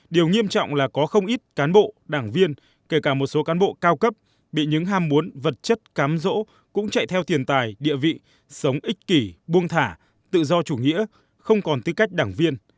điều nghiêm trọng là có không ít cán bộ đảng viên kể cả một số cán bộ cao cấp bị những ham muốn vật chất cám rỗ cũng chạy theo tiền tài địa vị sống ích kỷ buông thả tự do chủ nghĩa không còn tư cách đảng viên